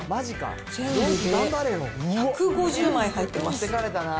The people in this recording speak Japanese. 全部で１５０枚入ってます。